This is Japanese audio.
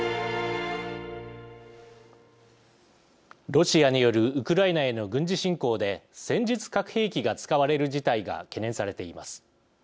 ロシアによるウクライナへの軍事侵攻で戦術核兵器が使われる事態が懸念されています。